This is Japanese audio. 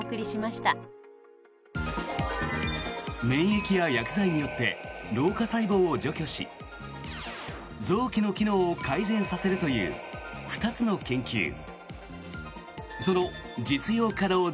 免疫や薬剤によって老化細胞を除去し臓器の機能を改善させるという２つの研究。